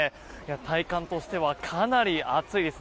体感としてはかなり暑いです。